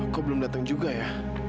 kau belum datang juga ya